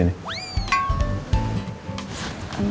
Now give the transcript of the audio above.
gapain kalian masih disini